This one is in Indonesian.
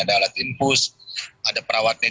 ada alat infus ada perawatan